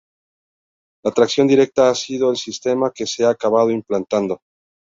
La tracción directa ha sido el sistema que se ha acabado implantando.